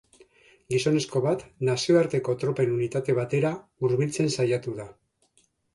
Gizonezko bat nazioarteko tropen unitate batera hurbiltzen saiatu da.